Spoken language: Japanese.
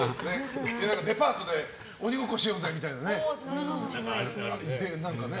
デパートで鬼ごっこしようぜみたいなのないんですか？